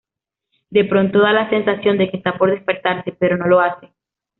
De pronto da la sensación de que está por despertarse, pero no lo hace.